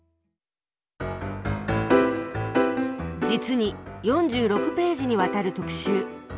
実に４６ページにわたる特集。